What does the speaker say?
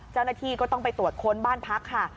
เจ้าหน้าที่ก็ต้องไปตรวจค้นบ้านพักค่ะ